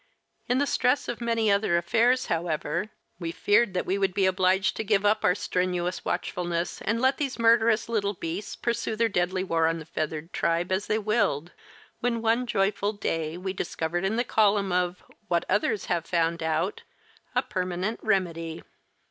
In the stress of many other affairs, however, we feared that we would be obliged to give up our strenuous watchfulness and let these murderous little beasts pursue their deadly war on the feathered tribe as they willed, when one joyful day we discovered in the column of "What others have found out," a permanent remedy.